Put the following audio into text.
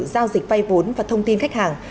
giao dịch vay vốn và thông tin khách hàng